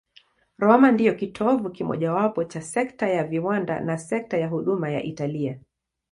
Roma ndiyo kitovu kimojawapo cha sekta ya viwanda na sekta ya huduma ya Italia.